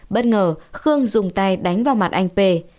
bất ngờ khương dùng tay đánh vào mặt anh p